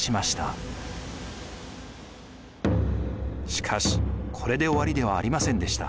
しかしこれで終わりではありませんでした。